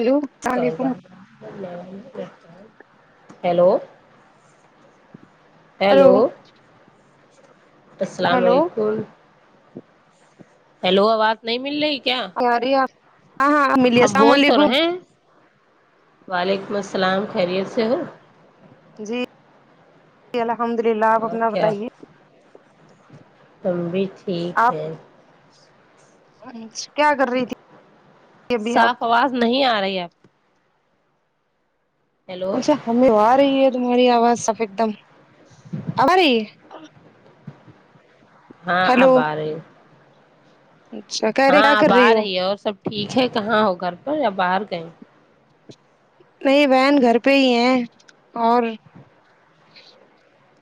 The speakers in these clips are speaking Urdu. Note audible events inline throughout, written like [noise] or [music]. ہیلو السلام علیکم ہیلو ہلو ہیلو السلام ہلو علیکم ہیلو آواز نہیں مل رہی کیا کاریا ہاں ہاں ملیے ہم السلام بول تو علیکم رہے ہیں وعلیکم السلام خیریت سے ہو جی الحمد للہ آپ اور اپنا بتائیے ہم بھی ٹھیک ہیں اچھ کیا کر رہی تھی ابھی صاف آپ آواز نہیں آ رہی ہے ہیلو اچھا ہمیں آ رہی ہے تہاری آواز سف ایک دم اب آ رہی ہے ہاں اب ہیلو آ رہی اچھا کہہ رہے ہاں کیا کر اب آ ہو رہی ہے اور سب ٹھیک ہے کہاں ہو گھر پر یا باہر گئے نہیں بہن گھر پہ ہی ہے اور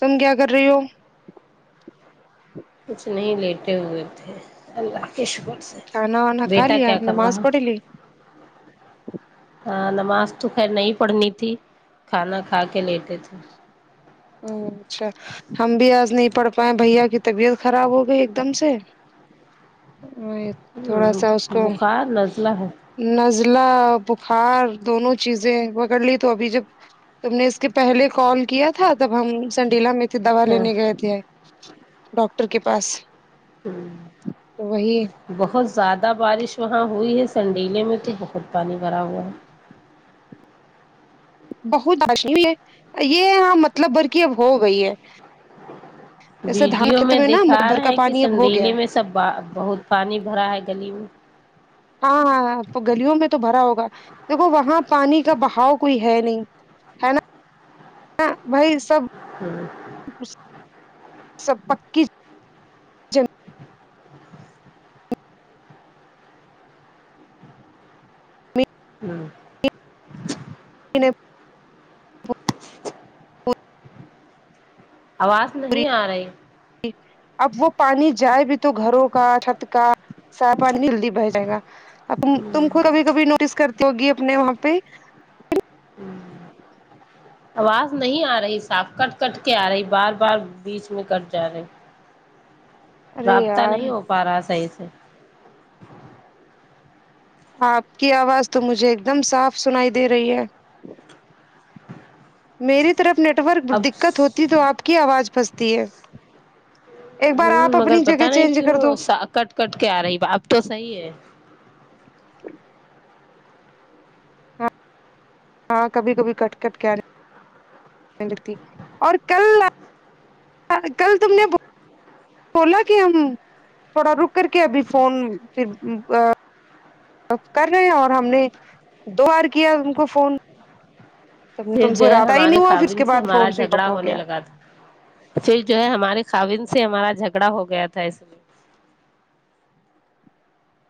تم کیا کر رہی ہو کچھ نہیں لیٹے ہوئے تھے اللہ کے شکر سے کھانا وانا کھا بیٹا لیا کیا کر نماز رہا پڑھ لی ہاں نماز تو خیر نہیں پڑھنی تھی کھانا کھا کے لیٹے تھے ہوں اچھا ہم بھی آج نہیں پڑھ پائے بھیا کی طبیعت خراب ہو گئی ایک دم سے [unintelligible] سا اس کو بخار نزلہ ہے نزلہ بخار دونوں چیزیں پکڑ لی تو ابھی جب تم نے اس کے پہلے کال کیا تھا تب ہم سنڈیلا میں تھے دوا ہاں لینے گئے تھے ڈاکٹر کے پاس وہی بہت زیادہ بارش وہاں ہوئی ہے سنڈیلے میں تو بہت پانی بھرا ہوا ہے بہت [unintelligible] ہے یہ ہاں مطلب بھر کی اب ہو گئی ہے ایسے دھان ویڈیو کھیت میں نا دکھا مت بھر رہے کا ہیں کہ پانی اب ہو گیا سنڈیلے ہے میں سب با بہت پانی بھرا ہے گلی میں ہاں ہاں گلیوں میں تو بھرا ہوگا دیکھو وہاں پانی کا بہاؤ کوئی ہے نہیں ہے نا بھائی سب ہوں سب پکی زمین ہوں [unintelligible] آواز نہیں آ رہی اب وہ پانی جائے بھی تو گھروں کا چھت کا صا پانی مل بہ جائے گا اب تم کو کبھی کبھی نوٹس کرتی ہوگی اپنے وہاں پہ [inaudible] آواز نہیں آ رہی صاف کٹ کٹ کے آ رہی بار بار بیچ میں کٹ جا رہی ارے رابطہ یار نہیں ہو پا رہا صحیح سے آپ کی آواز تو مجھے ایک دم صاف سنائی دے رہی ہے میری طرف نیٹورک دقت اب ہوتی تو آپ کی آواز پھنستی ہے ایک بار ہوں آپ مگر اپنی جگہ پتا نہیں چینج کر کیوں دو کٹ کٹ کے آ رہی اب تو صحیح ہے [inaudible] ہاں ہاں کبھی کبھی کٹ کٹ کے آری [unintelligible] اور کل کل تم نےبو کولا کہ ہم تھوڑا رک کر کے ابھی فون پھر ا کر رہے ہیں اور ہم نے دو بار کیا ان کو فون پھر تم جو سے ہے رابطہ ہی نہیں ہمارے ہوا پھر اس کے خاوند سے بعد ہمارا فون سوئچ آف جھگڑا ہو ہونے گیا لگا تھا پھر جو ہے ہماری خاوند سے ہمارا جھگڑا ہو گیا تھا اس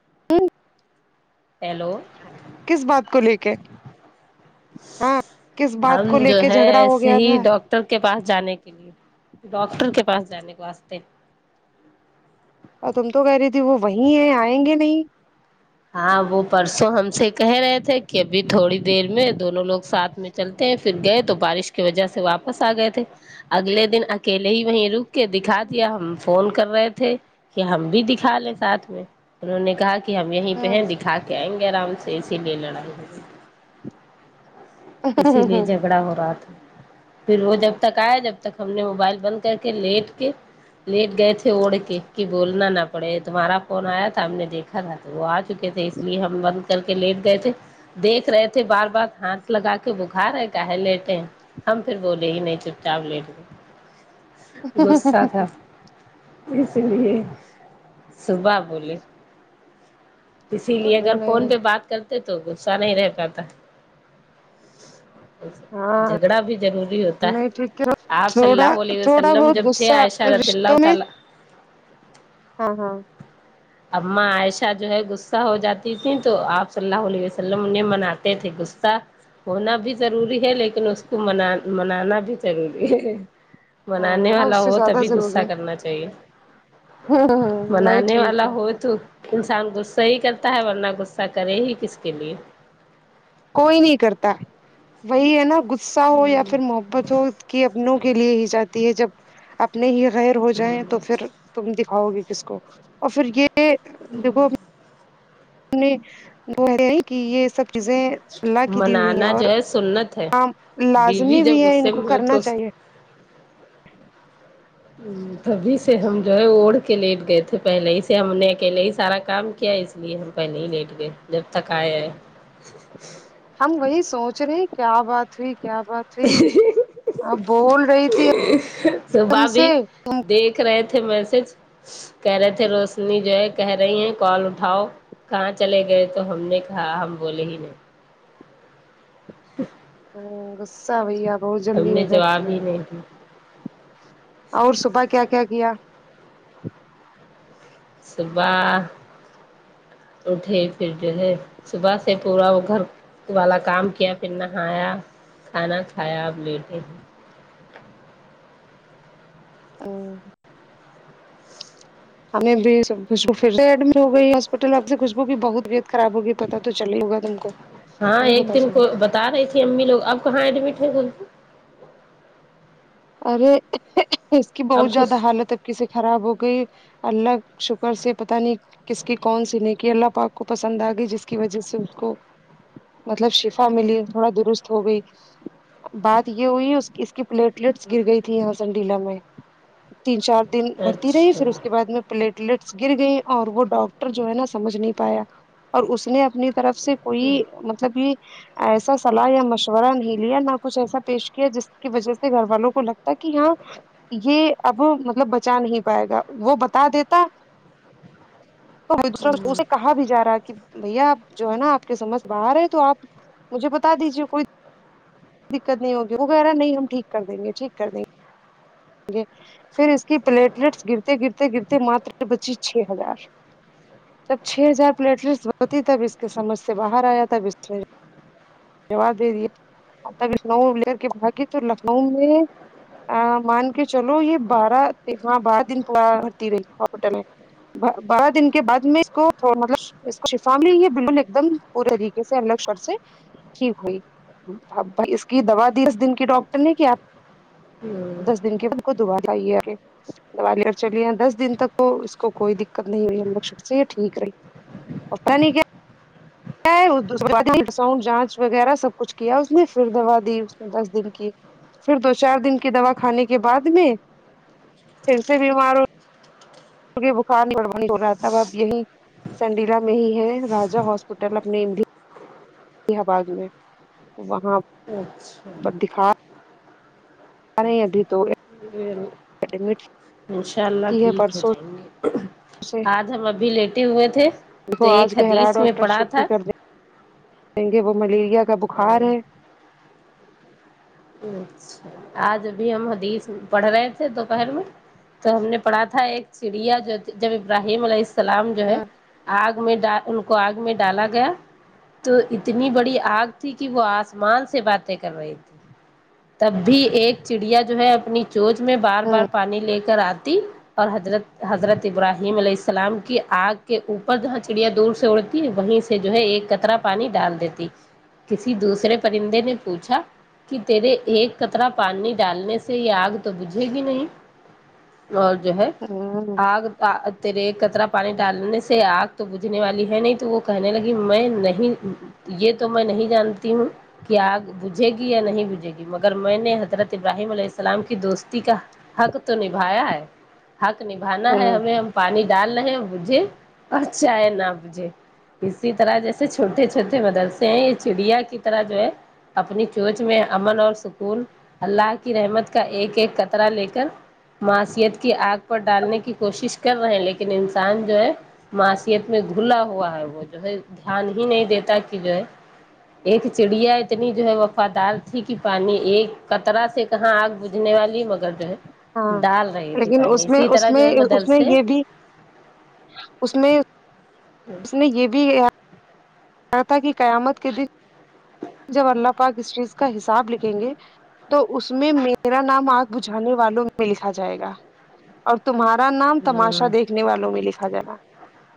[unintelligible] ہیلو کس بات کو لے کے ہاں کس بات ہم کو لے جو کے ہے جھگڑا ہو ایسے گیا ہی تھا ڈاکٹر کے پاس جانے کے لیے ڈاکٹر کے پاس جانے کے واسطے اور تم تو کہہ رہی تھی وہ وہیں ہے آئیں گے نہیں ہاں وہ پرسوں ہم سے کہہ رہے تھے کہ ابھی تھوڑی دیر میں دونوں لوگ ساتھ میں چلتے ہیں پھر گئے تو بارش کی وجہ سے واپس آ گئے تھے اگلے دن اکیلے ہی وہیں رک کے دکھا دیا ہم فون کر رہے تھے کہ ہم بھی دکھا لیں ساتھ میں انہوں نے کہا کہ ہم یہی وہیں دکھا کے آئیں گے آرام سے اسی لیے لڑائی ہوئی اسی لیے جھگڑا ہو رہا تھا پھر وہ جب تک آیا جب تک ہم نے موبائل بند کر کے لیٹ کے لیٹ گئے تھے اوڑھ کے کہ بولنا نہ پڑے تمہارا فون آیا تھا ہم نے دیکھا تھا تو وہ آ چکے تھے اس لیے ہم بند کر کے لیٹ گئے تھے دیکھ رہے تھے بار بار ہاتھ ہاتھ لگا کے بخار ہے کہا لیٹیں ہم پھر بولے ہی نہیں چپ چاپ لیٹ گئے غصہ تھا اس لیے صبح بولے اسی لیے اگر فون نہیں پہ بات کرتے تو غصہ نہیں رہ پاتا ہاں جھگڑا بھی ضروری ہوتا نہیں ہے ٹھیک آپ صلہو تھوڑا اللہ علیہ تھوڑا وسلم بہت جب تھے غصہ عشہ رضی اللہ رشتوں میں تعالی ہاں ہاں اماں عائشہ جو ہے غصہ ہو جاتی تھیں تو آپ صلی اللہ علیہ وسلم نے مناتے تھے غصہ ہونا بھی ضروری ہے لیکن اس کو منا منانا بھی ضروری ہے ہاں منانے ہاں والا اس سے ہو زیادہ تبھی غصہ ضروری ہے کرنا چاہیے نہیں منانے ٹھیک والا ہے ہو تو انسان غصہ ہی کرتا ہے ورنہ غصہ کرے ہی کس کے لیے کوئی نہیں کرتا وہی ہے نا غصہ ہو یا پھر محبت ہو کی اپنوں کے لیے ہی جاتی ہے جب اپنے ہی غیر ہو جائیں تو پھر تم دکھاؤ گے کس کو اور پھر یہ ے دیکھو نے وہ کہ یہ سب چیزیں اللہ کی دی ہوئی ہیں منانا اور جو ہے سنت ہے عام بیوی لازمی جب بھی ہے ان غصے کو میں ہو کرنا تو چاہیے ہوں تبھی سے ہم جو ہے اوڑھ کے لیٹ گئے تھے پہلے ہی سے ہم نے اکیلے ہی سارا کام کیا اس اس لیے ہم پہلے ہی لیٹ گئے جب تک آئے ہیں [inaudible] ہم وہی سوچ رہے ہیں کیا بات ہوئی کیا بات ہوئی آپ بول رہی تھی س ہم بھابھی سے دیکھ کررہے تھے میسج کہہ رہے تھے روشنی جو ہے کہہ رہی ہیں کال اٹھاؤ کہاں چلے گئے تو ہم نے کہا ہم بولے ہی نہیں غصہ بھیا بہت ہم جلدی ہو نے جاتی جواب ہے ہی نہیں دی اور صبح کیا کیا کیا صبح اٹھے پھر جو ہے صبح سے پورا وہ گھر والا کام کیا پھر نہایا کھانا کھایا اب لیٹے ہوں ہمیں بھی خوشبو پھر سے ایڈمٹ ہو گئی ہاسپٹل میں اب سے خوشبو کی بہت طبیعت خراب ہوگی پتا تو چلے ہو گا تم کو ہاں نہیں ایک پتا دن چلا کو بتا رہی تھی امی لوگ اب کہاں ایڈمٹ ہو گئی ارے اس کی اب بہت خوش زیادہ حالت اب کیسے خراب ہو گئی اللہ ک شکر سے پتہ نہیں کس کی کون سی نیکی اللہ پاک کو پسند آ گئی جس کی وجہ سے اس کو مطلب شفا ملی تھوڑا درست ہو گئی بات یہ ہوئی اس اس کی پلیٹ ٹس گر گئی تھی یہاں سنڈیلا میں تین چار دن بھرتی رہی اچھا فھر اس کے بعد میں پلیٹلیٹس گر گئیں اور وہ ڈاکٹر جو ہے نا سمجھ نہیں پایا اور اس نے اپنی طرف سے ہ کوئی مطلب یہ ایسا صلاح یا مشورہ نہیں لیا نہ کچھ ایسا پیش کیا جس کی وجہ سے سے گھر والوں کو لگتا کہ ہاں یہ اب مطلب بچا نہیں پائے گا وہ بتا دیتا تو ایک دوسرا اسے کہا بھی جا رہا ہے کہ بھیا آپ جو ہے نا آپ کے سمجھ باہر ہے تو آپ مجھے بتا دیجیے کوئی دقت نہیں ہوگی وغیرہ نہیں ہم ٹھیک کر دیں گے ٹھیک کر دیں گے پھر اس کی پلیٹلیٹس گرتے گرتے گرتے ماتر بچی چھ ہزار جب چھ ہزار پلیٹلیسٹ ہوتی تب اس کے سمجھ سے باہر آیا تب اس نے جواب دے دیا آپ تک لکھنؤ لئر کے بھاگی کی تو لکھنؤ میں آ مان کے چلو یہ بارہ ہاں بارہ دن پورا ہوتی رہی ہاسپٹل میں بارہ دن کے بعد میں اس کو مطلب اس کو شفا ملی نہیں یہ [inaudible] بالکل ایک دم پورے طریقے سے اللہ کے شکر سے ٹھیک ہوئی بھائی اس کی دوا دی دس دن کی ڈاکٹر نے کیا دس دن کے کدو ب آئیےے [inaudible] دیالی اور چلی ہیں دس دن تک تو اس کو کوئی دقت نہیں ہو رہی ہم لو ش سے یہ ٹھیک رہی اپرا نہیں کیا انڈ جانچ وغیرہ سب کچھ کیا اس نے پھر دوا دی اس نے دس دن کی [inaudible] پھر دو چار دن کی دوا کھانے کے بعد میں پھر سے بیمار ہو کیونکہ بخار بڑبڑی ہو رہا تھا ب اب یہیں [inaudible] سنڈیلا میں ہی ہے راجا ہاسپٹل اپنے ڈ آباز میں وہاں اچھا بٹ دکھا آرہے ابھی دو ہے انشاء اللہ کی ہے ٹھیک ہو پرسوں جائیں گے آج ہم ابھی لیٹے ہوئے تھے ان کو تو آج ایک کہے رہا حدیث میں ڈاکٹر پڑھا تھا چھٹی کر دیں کیونکے وہ ملیریا کا بخار ہے اچھا آج ابھی ہم حدیث پڑھ رہے تھے دوپہر میں تو ہم نے پڑھا تھا ایک چڑیا جو جب ابراہیم علیہ السلام جو ہے ہاں آگ میں ڈ ان کو آگ میں ڈالا گیا تو اتنی بڑی آگ تھی کہ وہ آسمان سے باتیں کر رہی تھی تب بھی ایک چڑیا جو ہے اپنی چوچ میں بار بار پانی لے کر آتی اور حضرت حضرت ابراہیم علیہ السلام کی آگ کے اوپر جہاں چڑیا دور سے اڑ تی وہیں سے جو ہے ایک قطرہ پانی ڈال دیتی کسی دوسرے پرندے نے پوچھا کہ تیرے ایک قطرہ پانی ڈالنے سے یہ آگ تو بوجھیگی نہیں اور جو ہے ہاں آگ تیرے ایک قطرہ پانی ڈالنے سے آگ تو بجھنے والی ہے نہیں تو کہنے لگی میں نہیں یہ تو میں نہیں جانتی ہوں کہ آگ بجھے گی یا نہیں بجھے گی مگر میں نے حضرت ابراہیم علیہ السلام کی دوستی کا حق تو نبھایا ہے حق نبھانا ہے ہاں ہمیں ہم پانی ڈال نا ہے بجھے اور چاہے نا بجھے اسی طرح جیسے چھوٹے چھوٹے مدرسے ہیں یہ چڑیا کی طرح جو ہے اپنی چونچ میں امن اور سکون اللہ کی رحمت کا ایک ایک قطرہ لے کر معاشیت کی آگ پر ڈالنے کی کوشش کر رہے ہیں لیکن انسان جو ہے معاشیت میں گھلا ہوا ہے وہ جو ہے دھیان ہی نہیں دیتا کہ جو ہے ایک چڑیا اتنی جو ہے وفادار کی پانی ایک قطرہ سے کہاں آگ بجھنے والی مگر جو ہے ہاں ڈال رہی تھی لیکن پانی اس میں اسی اس طرح جو میں ہے اس میں مدرسے یہ بھی اس میں ہوں اس میں یہ بھی کہا تھا کی قیامت کے دن جب اللہ پاک اس چیز کا حساب لکھیں گے تو اس میں میرا نام آگ بجھانے والوں میں لکھا جائے گا اور تمہارا نام تماشا دیکھ نے والوں میں لکھا جانا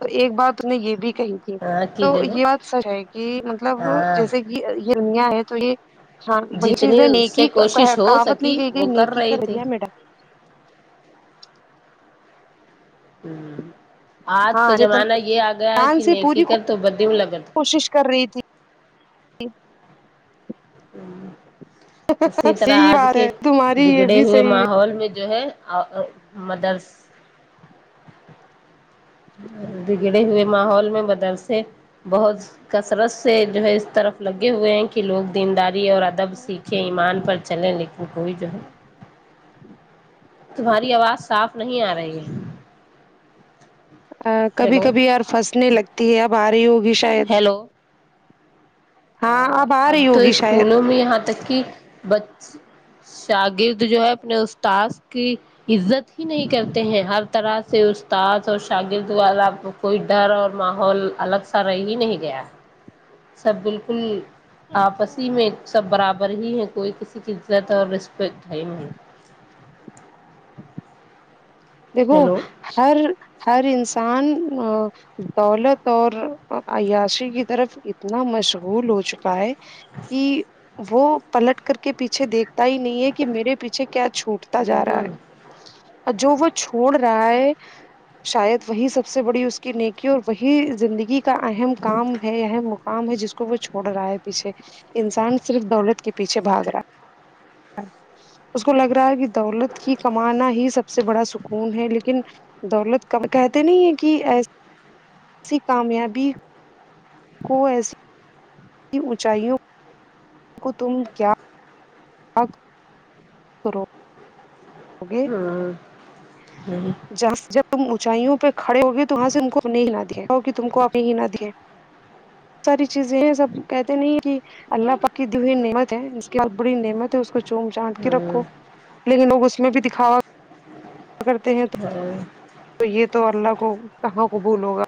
تو ایک بات نے یہ بھی کہی تو کی جو ہے یہ بات سچ ہے کہ مطلب ہاں جیسے کہ یہ دنیا ہے تو یہ ہاں وہی جتنی چیزیں اس سے نیکی کا کوشش ہو کہاوت نہیں سکی گئی گئی وہ نیکی رہی کر تھی دریا میں ڈال ہون آج ہاں تو زمانہ جان یہ آ گیا ہے کہ سے نیکی پوری کر تو بدیم لگا کوشش کر رہی تھی ہون اسی سب طرح صحیح آج بات کے ہے تمہاری یہ بگڑے بھی ہوئے صحیح ماحول میں جو ہے ا اؤ مدرس بگڑے ہوئے ماحول میں مدرسے بہت کثرت سے جو ہے اس طرف لگے ہوئے ہیں کہ لوگ دینداری اور ادب سیکھیں ایمان پر چلیں لیکن کوئی جو ہے تمہاری آواز صاف نہیں آ رہی ہے ا کبھی ہیلو کبھی یار پھنسنے لگتی ہے اب آ رہی ہوگی شاید ہیلو ہاں آ اب رہی تو ہوگی شاید اسکولوں میں یہاں تک کی بچ شاگرد جو ہے اپنے استاد کی عزت ہی نہیں کرتے ہیں ہر طرح سے استاد اور شاگرد والا کوئی ڈر اور ماحول الگ سا رہ ہی نہیں گیا سب بالکل آپسی میں سب برابر ہی ہیں کوئی کسی کی عزت اور رسپیکٹ ہے نہیں دیکھو ہیلو ہر ہر انسان ا دولت اور عیاشی کی طرف اتنا مشغول ہو چکا ہے کہ وہ پلٹ کر کے پیچھے دیکھتا ہی نہیں ہے کہ میرے پیچھے کیا چھوٹ تا جا ہ رہا ہے اور جو وہ چھوڑ رہا ہے شاید وہی سب سے بڑی اس کی نیکی اور وہی زندگی کا اہم کام ہے اہم کام ہے جس کو وہ چھوڑ رہا ہے پیچھے انسان صرف دولت کے پیچھے بھاگ رہا ہے اس کو لگ رہا ہے کہ دولت کی کمانا ہی سب سے بڑا سکھ خون ہے لیکن دولت کب کہتے نہیں ہے کہ ایس سی کامیابی کو ایسی کی اونچائیوں کو تم کیا [unintelligible] کرو گے ہاں ہوں جہاں جب تم اونچائیوں پہ کھڑے ہو گئے تو وہاں سے ان کو اپنے ہی نہ دیا کہ تم کو اپنے ہی نہ دیا ساری چیزیں ہیں سب کہتے نہیں ہے کہ اللہ پاک کی دی ہوئی نعمت ہے اس کے بعد بڑی نعمت ہے اس کو چگ چانٹ کے ہ رکھو لیکن لوگ اس میں بھی دکھاوا کرتے ہیں تو ہ ہ تو یہ تو اللہ کو کہاں قبول ہوگا